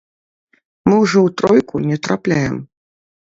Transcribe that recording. Мы ўжо ў тройку не трапляем.